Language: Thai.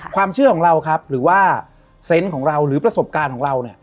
ความเชื่อของเราครับหรือว่าเซนต์ของเราหรือประสบการณ์ของเราเนี่ย